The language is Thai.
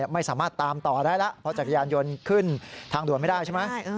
ไม่สามารถตามต่อได้แล้วเพราะจักรยานยนต์ขึ้นทางด่วนไม่ได้ใช่ไหม